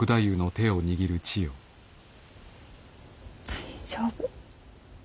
大丈夫。